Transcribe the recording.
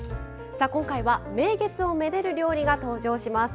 今回は名月をめでる料理が登場します。